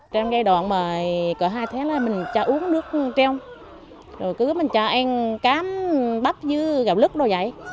trong giai đoạn mà có hai tháng là mình chả uống nước treo rồi cứ mình chả ăn cám bắp như gạo lứt đồ dạy